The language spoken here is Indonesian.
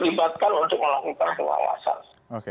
terlibatkan untuk melakukan pengawasan